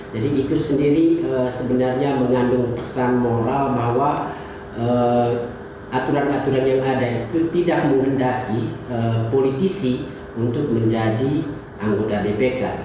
jadi itu sendiri sebenarnya mengandung pesan moral bahwa aturan aturan yang ada itu tidak merendaki politisi untuk menjadi anggota bpk